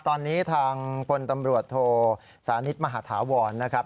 ตอนนี้ทางพลตำรวจโทสานิทมหาธาวรนะครับ